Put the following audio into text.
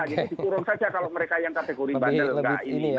jadi dikurung saja kalau mereka yang kategori bandel